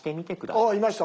あっいました？